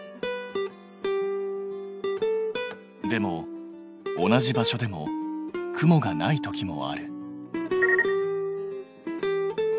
でも同じ場所でも雲がない時もある。